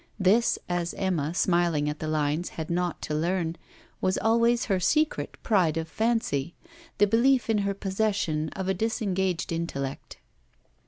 This, as Emma, smiling at the lines, had not to learn, was always her secret pride of fancy the belief in her possession of a disengaged intellect.